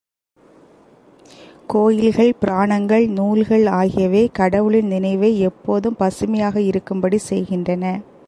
கோயில்கள், புராணங்கள், நூல்கள் ஆகியவை கடவுளின் நினைவை எப்போதும் பசுமையாக இருக்கும்படி செய்கின்றன.